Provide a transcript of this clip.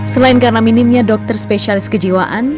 selain karena minimnya dokter spesialis kejiwaan